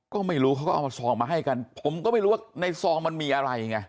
ก็ไม่รู้เขาก็เอามาซองมาให้กันผมก็ไม่รู้ว่าในซองมันมีอะไรไง